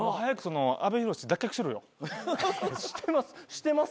してます。